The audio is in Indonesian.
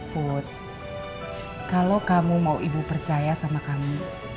put kalau kamu mau ibu percaya sama kami